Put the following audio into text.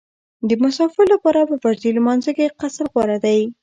د مسافر لپاره په فرضي لمانځه کې قصر غوره دی